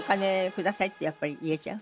くださいってやっぱり言えちゃう？